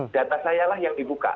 data saya lah yang dibuka